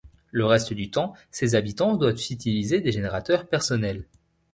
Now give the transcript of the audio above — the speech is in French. Le reste du temps, ses habitants doivent utiliser des générateurs personnels.